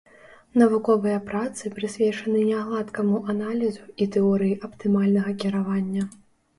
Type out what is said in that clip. Навуковыя працы прысвечаны нягладкаму аналізу і тэорыі аптымальнага кіравання.